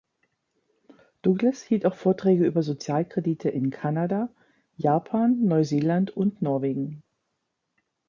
Douglas hielt auch Vorträge über Sozialkredite in Kanada, Japan, Neuseeland und Norwegen.